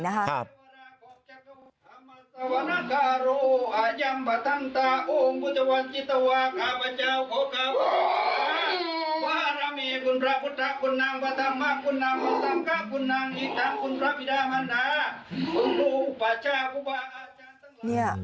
ทุกครั้งจะสอนให้ลูกสิทธิ์รักษาสิทธิ์ให้รักษาสิทธิ์ให้ดี